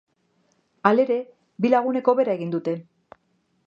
Halere, bi lagunek hobera egin dute.